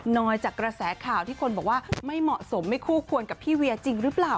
จากกระแสข่าวที่คนบอกว่าไม่เหมาะสมไม่คู่ควรกับพี่เวียจริงหรือเปล่า